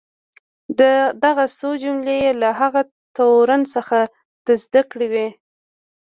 دغه څو جملې یې له هغه تورن څخه زده کړې وې.